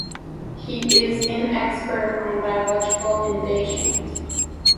He is an expert on biological invasions.